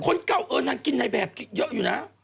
คนเก่าเออนางกินในแบบเยอะอยู่นะ